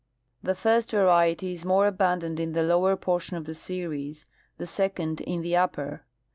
The first variety is more abundant in the lower portion of the series, the second in the upper.